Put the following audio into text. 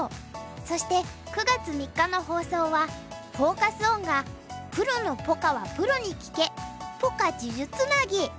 そして９月３日の放送はフォーカス・オンが「プロのポカはプロに聞け！ポカ数珠つなぎ」。